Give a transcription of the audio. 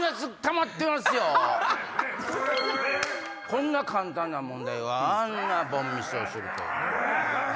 こんな簡単な問題をあんな凡ミスをするとは。